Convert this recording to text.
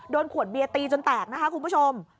โดนขวดเบียตีจนแตกคุณผู้ชม